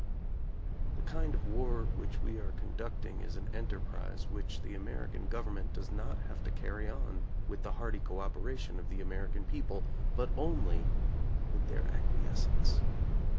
The kind of war which we are conducting is an enterprise which the American government does not have to carry on with the hearty cooperation of the Ameri can people but only with their acquiescence.